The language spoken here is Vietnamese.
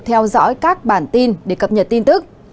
theo dõi các bản tin để cập nhật tin tức